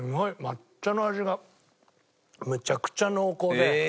抹茶の味がめちゃくちゃ濃厚で。